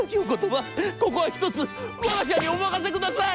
ここはひとつわが社にお任せ下さい！』。